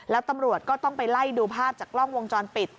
แล้วตำรวจก็ต้องไปไล่ดูภาพจากกล้องวงจรปิด